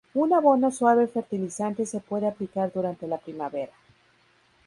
Un abono suave fertilizante se puede aplicar durante la primavera.